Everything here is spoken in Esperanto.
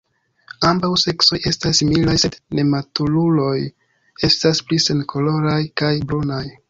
Ambaŭ seksoj estas similaj, sed nematuruloj estas pli senkoloraj kaj brunaj.